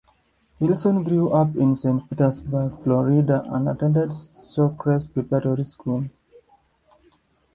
Wilson grew up in Saint Petersburg, Florida and attended Shorecrest Preparatory School.